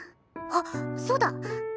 あっそうだ！